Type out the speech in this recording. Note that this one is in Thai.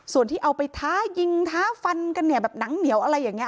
ส่วนที่เอาไปท้ายิงท้าฟันกันเนี่ยแบบหนังเหนียวอะไรอย่างนี้